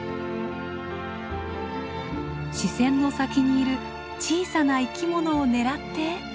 視線の先にいる小さな生きものを狙って。